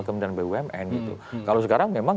kementerian bumn gitu kalau sekarang memang